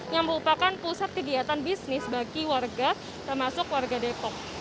yang merupakan pusat kegiatan bisnis bagi warga termasuk warga depok